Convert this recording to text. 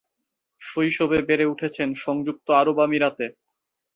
শৈশবে বেড়ে উঠেছেন সংযুক্ত আরব আমিরাতে।